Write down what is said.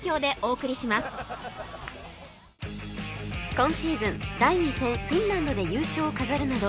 今シーズン第２戦フィンランドで優勝を飾るなど